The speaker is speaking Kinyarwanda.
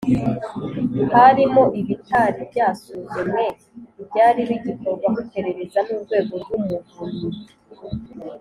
harimo ibitari byasuzumwe ibyari bigikorwaho iperereza n Urwego rw Umuvunyi